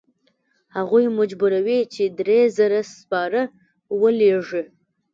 هغوی مجبوروي چې درې زره سپاره ولیږي.